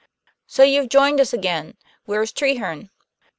"So you've joined us again; where's Treherne?"